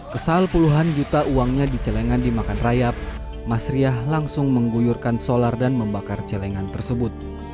kesal puluhan juta uangnya di celengan dimakan rayap mas riah langsung mengguyurkan solar dan membakar celengan tersebut